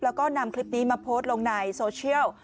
แล้วก็นำคลิปนี้มาโพสต์ลงในโซเชียล